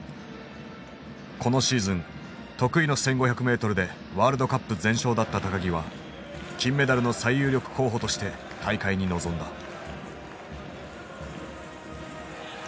このシーズン得意の１，５００ｍでワールドカップ全勝だった木は金メダルの最有力候補として大会に臨んだ。